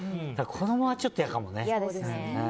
子供はちょっと嫌かもね。